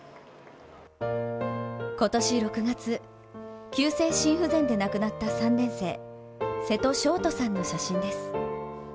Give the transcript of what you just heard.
今年６月、急性心不全で亡くなった３年生瀬戸勝登さんの写真です。